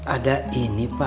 ada ini pak